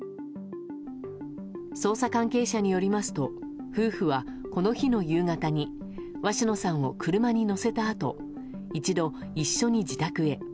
捜査関係者によりますと夫婦は、この日の夕方に鷲野さんを車に乗せたあと一度、一緒に自宅へ。